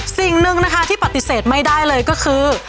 สิ่งหนึ่งนะคะที่ปฏิเสธไม่ได้เลยก็คือ